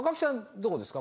どこですか？